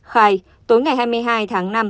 khai tối ngày hai mươi hai tháng năm